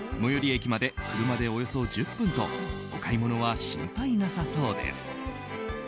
駅まで車でおよそ１０分とお買い物は心配なさそうです。